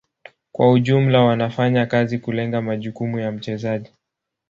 Kwa ujumla wanafanya kazi kulenga majukumu ya mchezaji.